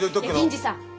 銀次さん。